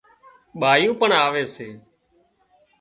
ٻايُون پڻ آوي سي